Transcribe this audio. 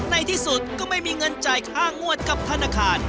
ในที่สุดก็ไม่มีเงินจ่ายค่างวดกับธนาคาร